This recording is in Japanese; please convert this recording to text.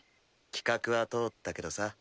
企画は通ったけどさ